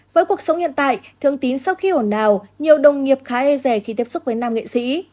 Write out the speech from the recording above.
với cuộc sống hiện tại thương tín sau khi ổn đào nhiều đồng nghiệp khá e rè khi tiếp xúc với nam nghệ sĩ